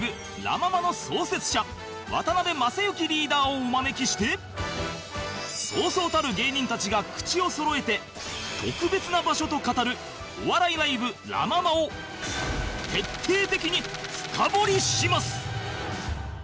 をお招きしてそうそうたる芸人たちが口をそろえて特別な場所と語るお笑いライブラ・ママを徹底的に深掘りします